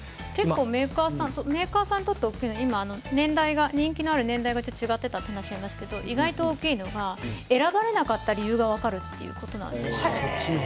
メーカーさんにとって人気のある年代が違っていたという話がありましたけれども意外と大きいのが選ばれなかった理由が分かるということなんですよ。